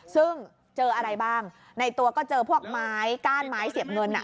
ซึ่งเจออะไรบ้างในตัวก็เจอพวกไม้ก้านไม้เสียบเงิน